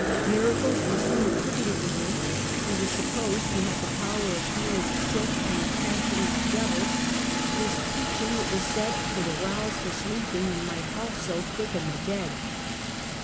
Miracles were soon attributed to him : he was supposed to have the power of healing the sick and of casting out devils ; his preaching, it was said, could arouse the sleeping and might almost quicken the dead.